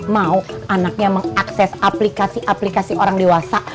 mau anaknya mengakses aplikasi aplikasi orang dewasa